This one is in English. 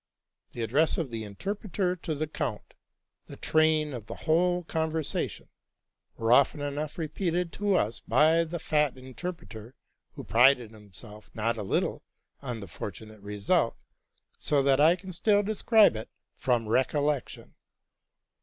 The address of the interpreter to the count, the train of the whole conversation, were often enough repeated to us by the fat interpreter, who prided himself not a little on the fortunate result, so that I can still describe it from recollec tion.